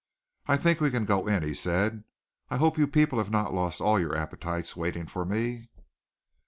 "I think we can go in," he said. "I hope you people have not lost all your appetites waiting for me."